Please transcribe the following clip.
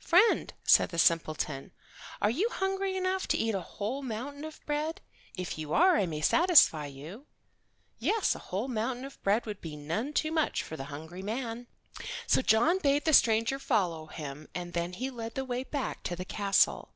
"Friend," said the simpleton, "are you hungry enough to eat a whole mountain of bread? If you are I may satisfy you." Yes, a whole mountain of bread would be none too much for the hungry man. So John bade the stranger follow him and then he led the way back to the castle.